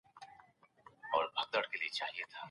مالي خپلواکي د ذهن ارامتیا راوړي.